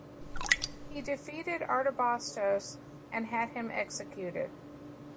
He defeated Artabasdos and had him executed.